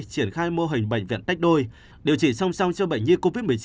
triển khai mô hình bệnh viện tách đôi điều trị song song cho bệnh nhi covid một mươi chín